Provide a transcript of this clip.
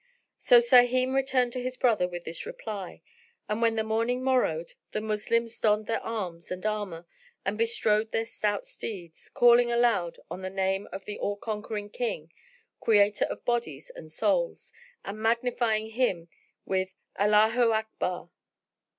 So Sahim returned to his brother with this reply, and when the morning morrowed, the Moslems donned their arms and armour and bestrode their stout steeds, calling aloud on the name of the All conquering King, Creator of bodies and souls, and magnifying Him with "Allaho Akbar."